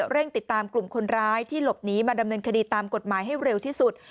เร่งติดตามกลุ่มคนร้ายที่หลบหนีมาดำเนินคดีตามกฎหมายให้เร็วที่สุด